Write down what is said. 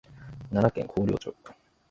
奈良県広陵町